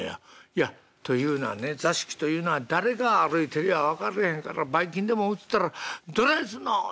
「いやというのはね『座敷というのは誰が歩いてるやら分からへんからバイ菌でもうつったらどないすんの！』いう」。